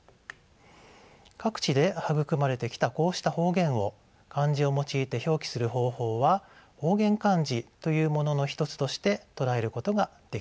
各地で育まれてきたこうした方言を漢字を用いて表記する方法は方言漢字というものの一つとして捉えることができるのです。